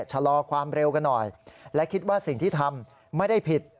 ชะลอความเร็วกันหน่อยและคิดว่าสิ่งที่ทำไม่ได้ผิด